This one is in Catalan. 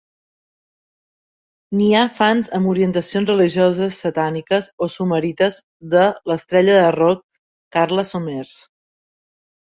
N"hi ha fans amb orientacions religioses satàniques o somerites de l"estrella de roc Karla Sommers.